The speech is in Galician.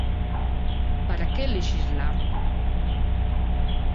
¿Para que lexislar?